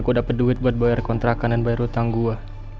kau dapat duit buat bayar kontrakan dan bayar hutang gua